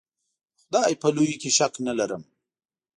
د خدای په لویي کې شک نه ارم.